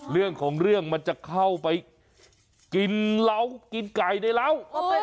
เรื่องของเรื่องมันจะเข้าไปกินเหล้ากินไก่ในเหล้า